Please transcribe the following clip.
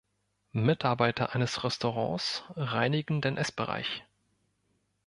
Mitarbeiter eines Restaurants reinigen den Essbereich.